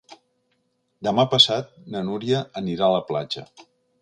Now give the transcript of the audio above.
Demà passat na Núria anirà a la platja.